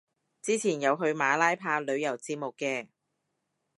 前排有去馬拉拍旅遊節目嘅